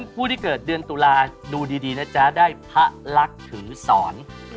ผู้ที่เกิดเดือนตุลาดูดีนะจ๊ะได้พระลักษณ์ถือสอน